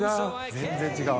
全然違う。